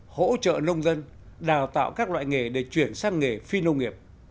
hỗ trợ nông dân đào tạo các loại nghề để chuyển sang nghề phi nông nghiệp